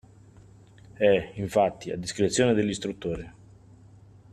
È, infatti, a discrezione dell’istruttore